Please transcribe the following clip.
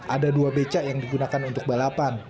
ada dua becak yang digunakan untuk balapan